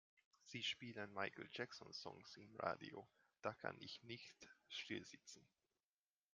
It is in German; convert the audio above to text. Sie spielen Michael Jackson Songs im Radio, da kann ich nicht stillsitzen.